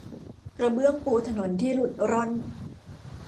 กระเบื้องปูถนนที่หลุดร่อน